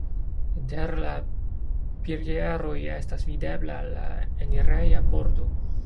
Inter la pilieroj estas videbla la enireja pordo.